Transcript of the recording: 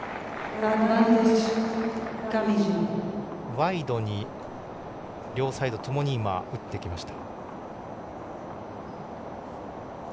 ワイドに両サイドともに今、打ってきました。